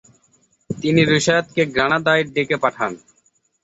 তিনি রুশায়দকে গ্রানাদায় ডেকে পাঠান।